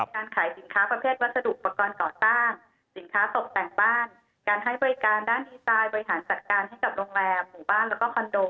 การขายสินค้าประเภทวัสดุอุปกรณ์ก่อสร้างสินค้าตกแต่งบ้านการให้บริการด้านดีไซน์บริหารจัดการให้กับโรงแรมหมู่บ้านแล้วก็คอนโด